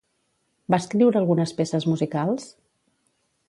Va escriure algunes peces musicals?